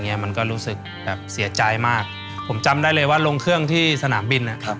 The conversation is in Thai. มันก็รู้สึกแบบเสียใจมากผมจำได้เลยว่าลงเครื่องที่สนามบินนะครับ